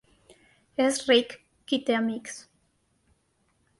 És ric qui té amics.